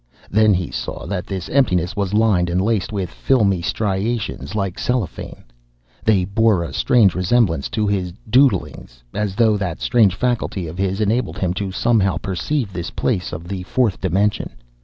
Then he saw that this emptiness was lined and laced with filmy striations, like cellophane. They bore a strange resemblance to his "doodlings," as though that strange faculty of his enabled him to somehow perceive this place of the fourth dimension.